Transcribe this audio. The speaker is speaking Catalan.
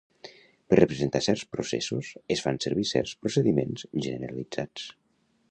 Per representar certs processos es fan servir certs procediments generalitzats.